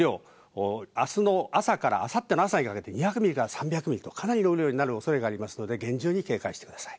あすの朝からあさっての朝にかけて２００ミリから３００ミリとかなりの量になる恐れがありますので厳重に警戒してください。